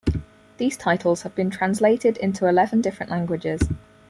These titles have been translated into eleven different languages.